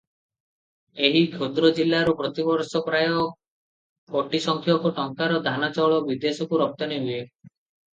ଏହି କ୍ଷୁଦ୍ର ଜିଲ୍ଲାରୁ ପ୍ରତିବର୍ଷ ପ୍ରାୟ କୋଟି ସଂଖ୍ୟକ ଟଙ୍କାର ଧାନ ଚାଉଳ ବିଦେଶକୁ ରପ୍ତାନି ହୁଏ ।